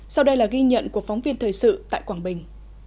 sau đây là ghi nhận của phóng viên thời sự tại quảng bình